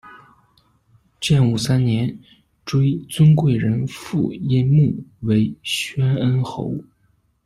建武三年，追尊贵人父阴睦为宣恩侯。